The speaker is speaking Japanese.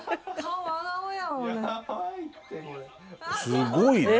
すごいね。